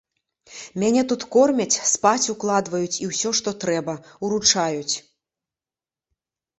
Мяне тут кормяць, спаць укладваюць і ўсё, што трэба, уручаюць.